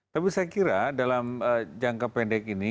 tapi saya kira dalam jangka pendek ini